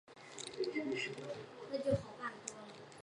鬼畜一词原本为佛教对六道中饿鬼道与畜生道之合称。